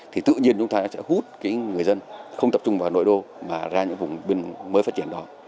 thì tự nhiên chúng ta sẽ hút cái người dân không tập trung vào nội đô mà ra những vùng mới phát triển đó